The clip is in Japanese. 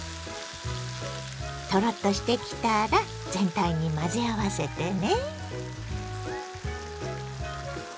トロッとしてきたら全体に混ぜ合わせてね。